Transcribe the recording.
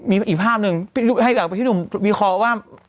มีอีกภาพหนึ่งให้กับพี่หนุ่มวิเคราะห์ว่า